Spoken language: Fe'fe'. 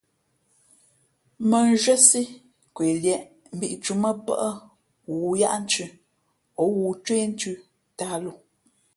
Mᾱ nzhwésí kweliēʼ mbīʼtǔmᾱ pάʼ ghoōyaʼthʉ̄ o ghoōcwéénthʉ tāhlǒ.